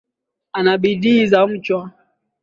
Ana bidii za mchwa